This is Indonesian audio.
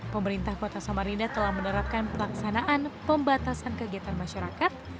pemerintah kota samarinda telah menerapkan pelaksanaan pembatasan kegiatan masyarakat